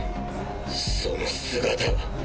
その姿は。